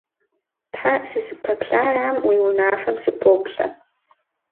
Тхьэ, сызыпэплъэрам, уи унафэм сыпоплъэ.